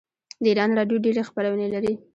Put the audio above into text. د ایران راډیو ډیرې خپرونې لري.